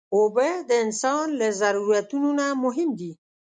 اوبه د انسان له ضرورتونو نه مهم دي.